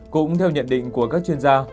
cũng theo nhận định của các chuyên gia